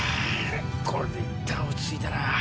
これでいったん落ち着いたな。